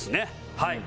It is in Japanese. はい。